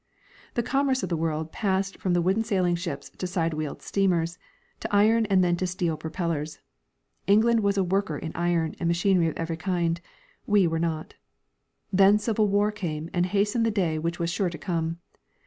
The commerce of the world passed from Avooden sailing ships to side wheel steamers, to iron and then to steel j^ropellers ;' England Avas a Avorker in iron and machinery of every kind, we AA'ere not. The civil Avar came and hastened the clay Avhich Avas sure to come.